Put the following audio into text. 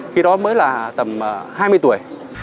khi đó mới là tầm hai mươi tuổi